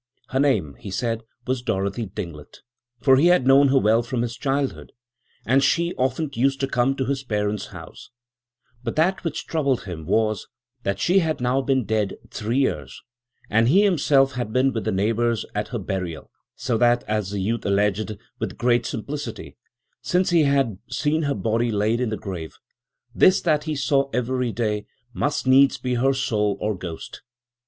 Her name, he said, was Dorothy Dinglet, for he had known her well from his childhood, and she often used to come to his parents' house; but that which troubled him was, that she had now been dead three years, and he himself had been with the neighbours at her burial; so that, as the youth alleged, with great simplicity, since he had seen her body laid in the grave, this that he saw every day must needs be her soul or ghost.